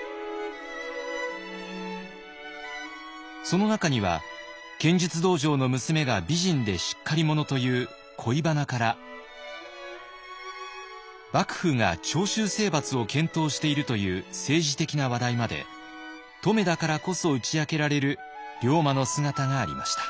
その中には剣術道場の娘が美人でしっかり者という恋バナから幕府が長州征伐を検討しているという政治的な話題まで乙女だからこそ打ち明けられる龍馬の姿がありました。